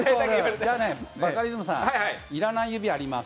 じゃあバカリズムさん、要らない指、あります？